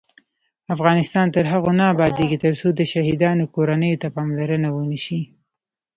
افغانستان تر هغو نه ابادیږي، ترڅو د شهیدانو کورنیو ته پاملرنه ونشي.